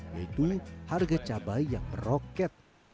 yaitu harga cabai yang meroket